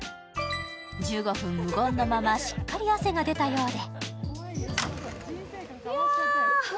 １５分、無言のまましっかりと汗が出たようで。